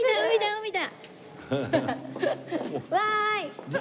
海だ！